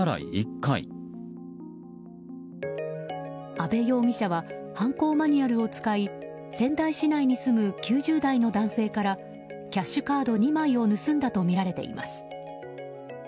阿部容疑者は犯行マニュアルを使い仙台市内に住む９０代の男性からキャッシュカード２枚を盗んだとみられています。